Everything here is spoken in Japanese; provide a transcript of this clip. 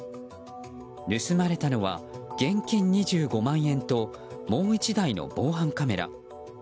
盗まれたのは現金２５万円ともう一台の防犯カメラ。